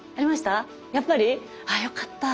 やっぱり。あっよかった。